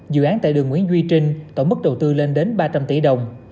dự án tại đường nguyễn duy trinh tổng mức đầu tư lên đến ba trăm linh tỷ đồng